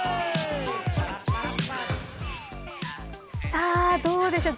さあ、どうでしょう。